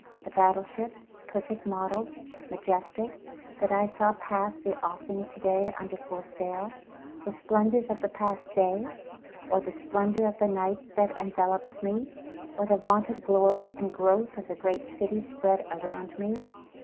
The battle ship, perfect model'd, majestic, that I saw pass the offing to day under full sail? The splendors of the past day? Or the splendor of the night that envelopes me? Or the vaunted glory and growth of the great city spread around me?